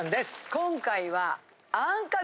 今回は。